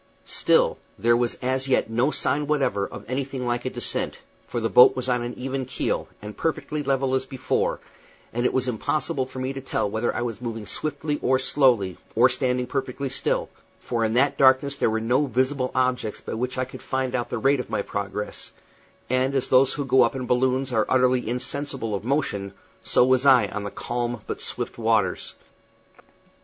Still, there was as yet no sign whatever of anything like a descent, for the boat was on even keel, and perfectly level as before, and it was impossible for me to tell whether I was moving swiftly or slowly, or standing perfectly still; for in that darkness there were no visible objects by which I could find out the rate of my progress; and as those who go up in balloons are utterly insensible of motion, so was I on those calm but swift waters.